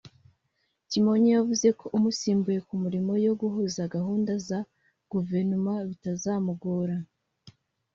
Kimonyo yavuze ko umusimbuye ku mirimo yo guhuza gahunda za Guverinoma bitazamugora